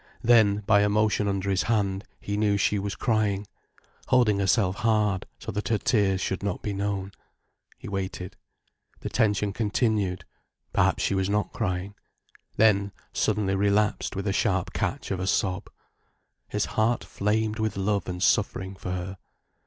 Then, by a motion under his hand, he knew she was crying, holding herself hard so that her tears should not be known. He waited. The tension continued—perhaps she was not crying—then suddenly relapsed with a sharp catch of a sob. His heart flamed with love and suffering for her.